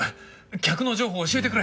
客の情報を教えてくれ！